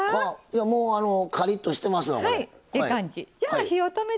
もうカリッとしてますわこれ。